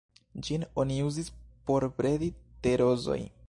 Ĝin oni uzis por bredi te-rozoj.